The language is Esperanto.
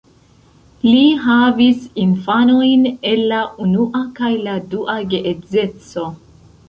Li havis infanojn el la unua kaj la dua geedzeco.